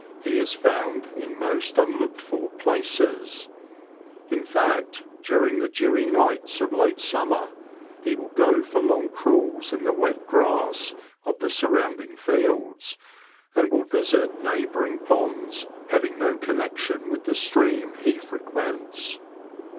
He is found in most unlooked for places ; in fact, during the dewy nights of late summer, he will go for long crawls in the wet grass of the surrounding fields, and will visit neighbouring ponds having no connection with the stream he fre quents.